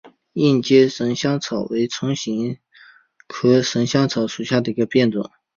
硬尖神香草为唇形科神香草属下的一个变种。